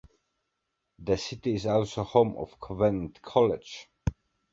This city is also home to Covenant College.